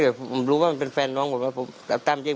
อยากให้น้องของเดียวได้เลิกกับเราเลย